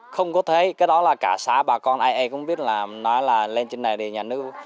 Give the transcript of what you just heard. không có thấy cái đó là cả xá bà con ai ai cũng biết là nói là lên trên này để nhà nước